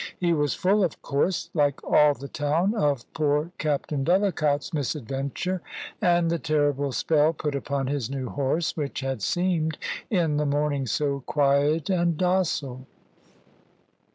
He was full, of course, like all the town, of poor Captain Vellacott's misadventure, and the terrible spell put upon his new horse, which had seemed in the morning so quiet and docile.